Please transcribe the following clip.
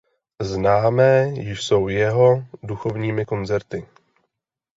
Známé jsou jeho duchovními koncerty.